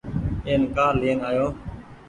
اين ڪآ لين آيو۔